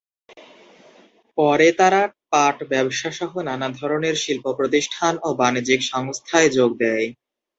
পরে তারা পাট ব্যবসাসহ নানা ধরনের শিল্প প্রতিষ্ঠান ও বাণিজ্যিক সংস্থায় যোগ দেয়।